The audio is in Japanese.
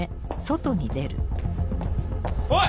おい！